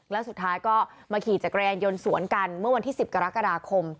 แล้วสุดท้ายก็มาขี่จักรยานยนต์สวนกันเมื่อวันที่๑๐กรกฎาคม